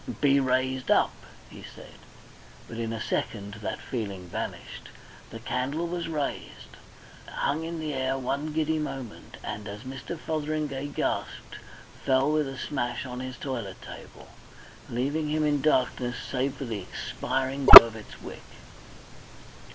"Be raised up," he said. But in a second that feeling vanished. The candle was raised, hung in the air one giddy moment, and as Mr. Fotheringay gasped, fell with a smash on his toilet table, leaving him in darkness save for the expiring glow of its wick.